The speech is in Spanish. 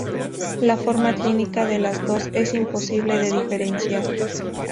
La forma clínica de las dos es imposible de diferenciar.